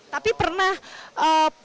tapi pernah potong sepatu rambut